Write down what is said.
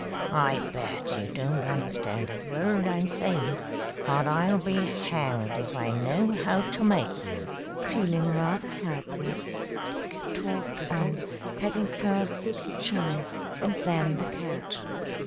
I bet you don't understand a word I'm saying, but I'll be hanged if I know how to make you." Feeling rather helpless, Dick talked on, patting first Yuki Chan and then the cat.